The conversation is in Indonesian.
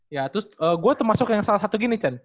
ya terus gue termasuk yang salah satu gini chan